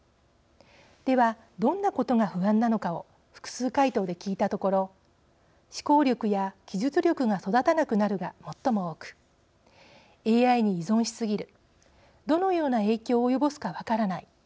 では、どんなことが不安なのかを複数回答で聞いたところ思考力や記述力が育たなくなるが最も多くＡＩに依存しすぎるどのような影響を及ぼすか分からない